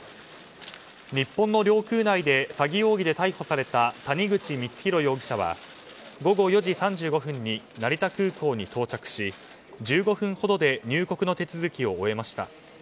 日本の領空内で詐欺容疑で逮捕された谷口光弘容疑者は午後４時３５分に成田空港に到着し１５分ほどで入国の手続きを終えました。